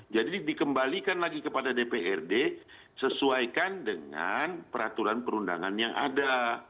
jadi dikembalikan lagi kepada dprd sesuaikan dengan peraturan perundangan yang ada